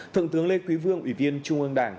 thượng tướng lê quý vương ủy viên trung ương đảng